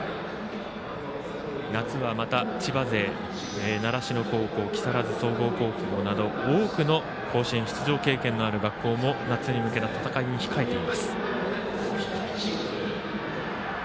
夏はまた千葉勢、習志野高校木更津総合高校など、多くの甲子園出場経験のある学校も夏に向けた戦いに控えています。